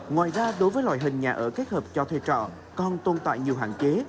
ngoài ra đối với loại hình nhà ở kết hợp cho thuê trọ còn tồn tại nhiều hạn chế